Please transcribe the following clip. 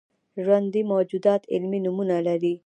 ژوندي موجودات علمي نومونه لري